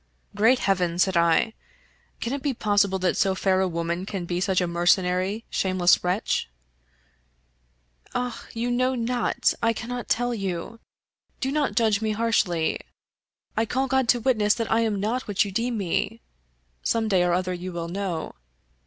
" Great heaven I " said I, " can it be possible that so fair a woman can be siich a mercenary, shameless wretch ?"" Ah I you know not — I cannot tell you ! Do not judge me harshly. I call God to witness that I am not what you deem me. Some day or other you will know.